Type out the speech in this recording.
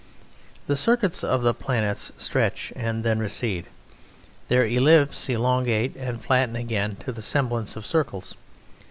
The circuits of the planets stretch and then recede. Their ellipses elongate and flatten again to the semblance of circles.